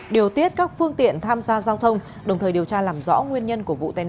điều tiết các phương tiện tham gia giao thông đồng thời điều tra làm rõ nguyên nhân của vụ tai nạn